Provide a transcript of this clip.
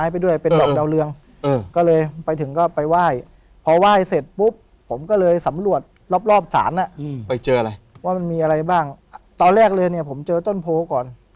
ไปเจออะไรว่ามันมีอะไรบ้างตอนแรกเลยเนี่ยผมเจอต้นโพก่อน